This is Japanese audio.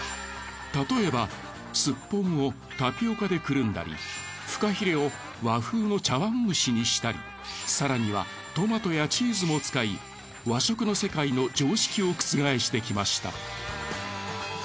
たとえばすっぽんをタピオカでくるんだりフカヒレを和風の茶碗蒸しにしたり更にはトマトやチーズも使い和食の世界の常識を覆してきました。